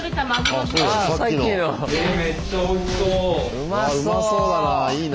うまそうだな。